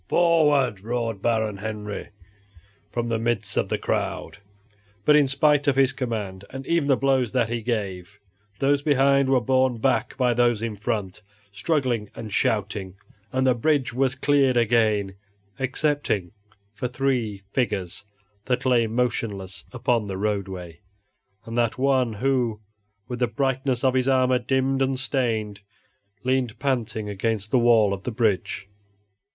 "Forward!" roared Baron Henry, from the midst of the crowd; but in spite of his command, and even the blows that he gave, those behind were borne back by those in front, struggling and shouting, and the bridge was cleared again excepting for three figures that lay motionless upon the roadway, and that one who, with the brightness of his armor dimmed and stained, leaned panting against the wall of the bridge.